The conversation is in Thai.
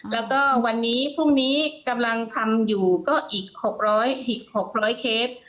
แล้วก็วันนี้พรุ่งนี้กำลังทำอยู่ก็อีก๖๐๐เคส